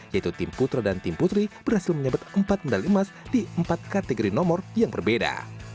yaitu tim putra dan tim putri berhasil menyebut empat medali emas di empat kategori nomor yang berbeda